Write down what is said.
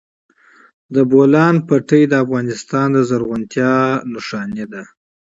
د بولان پټي د افغانستان د زرغونتیا نښه ده.